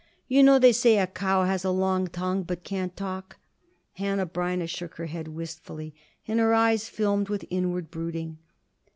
You know they say, a cow has a long tongue, but can't talk." Hanneh Breineh shook her head wistfully, and her eyes filmed with inward brooding.